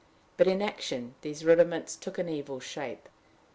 But in action these rudiments took an evil shape.